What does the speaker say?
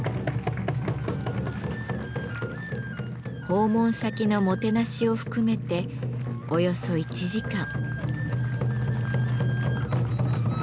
訪問先のもてなしを含めておよそ１時間。